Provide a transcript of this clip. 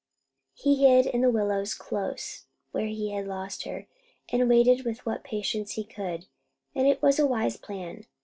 He hid in the willows close where he had lost her, and waited with what patience he could; and it was a wise plan.